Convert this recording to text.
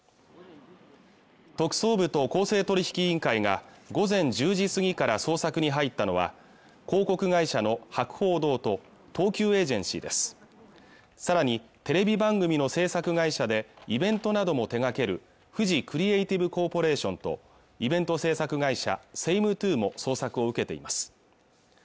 特捜部と公正取引委員会が午前１０時過ぎから捜索に入ったのは広告会社の博報堂と東急エージェンシーですさらにテレビ番組の制作会社でイベントなども手がけるフジクリエイティブコーポレーションとイベント制作会社セイムトゥーも捜索を受けています